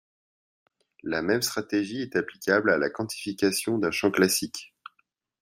La même stratégie est applicable à la quantification d'un champ classique.